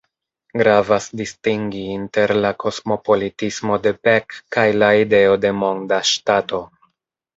Gravas distingi inter la kosmopolitismo de Beck kaj la ideo de monda ŝtato.